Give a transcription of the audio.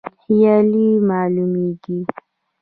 خیالي معلومیږي.